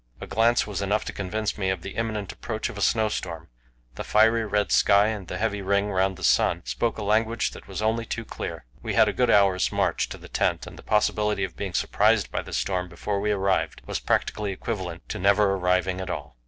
A glance was enough to convince me of the imminent approach of a snow storm; the fiery red sky and the heavy ring round the sun spoke a language that was only too clear. We had a good hour's march to the tent, and the possibility of being surprised by the storm before we arrived was practically equivalent to never arriving at all.